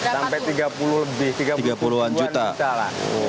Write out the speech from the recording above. sampai tiga puluh lebih tiga puluh an juta lah